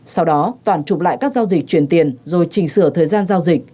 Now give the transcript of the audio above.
sau đó toản chụp lại các giao dịch chuyển tiền rồi trình sửa thời gian giao dịch